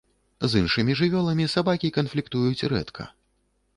З іншымі жывёламі сабакі канфліктуюць рэдка.